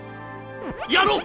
やろう！